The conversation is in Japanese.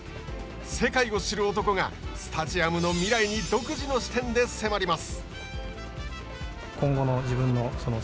世界を知る男がスタジアムの未来に独自の視点で迫ります。